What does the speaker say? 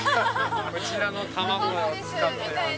こちらの卵を使ってますみたいな。